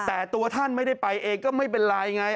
แต่ตัวท่านไม่ได้ไปเองก็ไม่เป็นไรไง